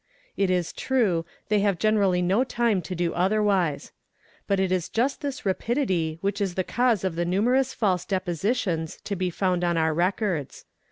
It is true oy have generally no time to do otherwise. But it is just this rapidity which is the cause of the numerous false depositions to be found on our records.